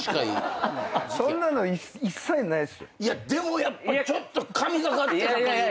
いやでもやっぱちょっと神がかってたというか。